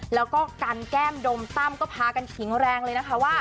แล้วก็กันแก้มดมตั้มก็พากันขิงแรงเลยนะคะว่า